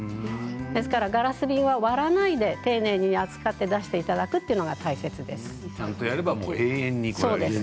ですからガラス瓶は割らないで丁寧に扱って出していただくことが大切です。